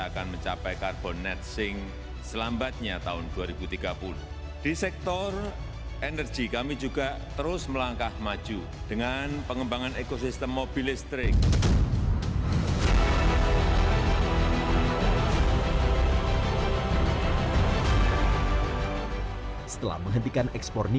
ketiga penanganan kesehatan yang inklusif